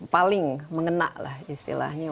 paling mengena lah istilahnya